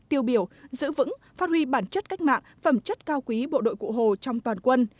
tiêu biểu giữ vững phát huy bản chất cách mạng phẩm chất cao quý bộ đội cụ hồ trong toàn quân